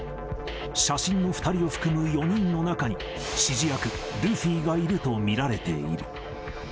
写真の２人を含む４人の中に、指示役、ルフィがいると見られている。